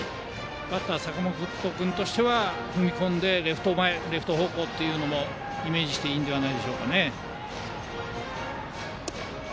バッター、坂本君としては踏み込んでレフト方向というのもイメージしていいのではないでしょうか。